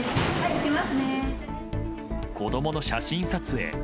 子供の写真撮影。